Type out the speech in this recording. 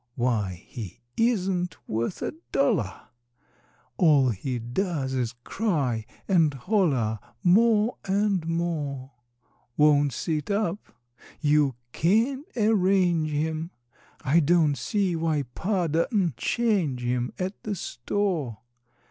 Why, he isn't worth a dollar! All he does is cry and holler More and more; Won't sit up you can't arrange him, I don't see why Pa do'n't change him At the store.